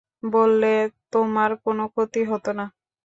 বললে তোমার কোনো ক্ষতি হত না।